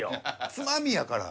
つまみやから。